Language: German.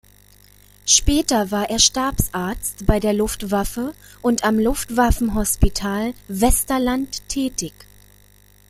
Später war er Stabsarzt bei der Luftwaffe und am Luftwaffen-Hospital Westerland tätig.